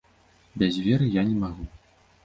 Без веры я не магу.